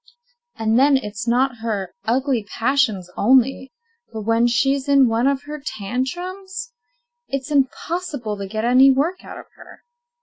And then it's not her ugly passions only, but when she's in one of her tantrums, it's impossible to get any work out of her.